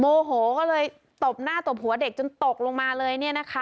โมโหก็เลยตบหน้าตบหัวเด็กจนตกลงมาเลยเนี่ยนะคะ